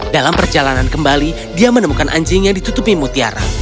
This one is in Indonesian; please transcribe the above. dalam perjalanan kembali dia menemukan anjing yang ditutupi mutiara